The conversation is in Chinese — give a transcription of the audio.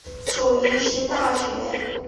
属于新大学。